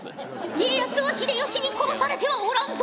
家康は秀吉に殺されてはおらんぞ！